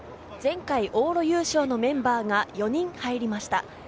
前回往路優勝のメンバーが４人入りました。